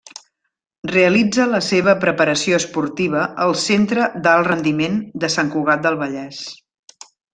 Realitza la seva preparació esportiva al Centre d'Alt Rendiment de Sant Cugat del Vallès.